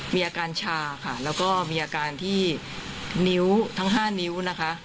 มีอาการชาค่ะแล้วก็มีอาการที่นิ้วทั้ง๕นิ้วนะคะ